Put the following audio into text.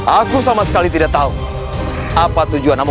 aku bisa menjelaskan semuanya